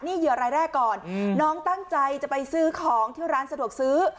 นี่เหยื่อรายแรกก่อนน้องตั้งใจจะไปซื้อของที่ร้านสะดวกซื้อ